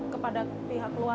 kepada pihak keluarga ya